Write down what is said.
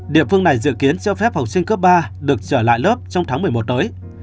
địa phương này dự kiến cho phép học sinh cấp ba được trở lại lớp trong tháng một mươi một tới